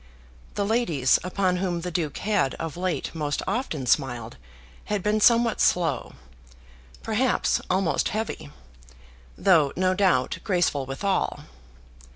The ladies upon whom the Duke had of late most often smiled had been somewhat slow, perhaps almost heavy, though, no doubt, graceful withal.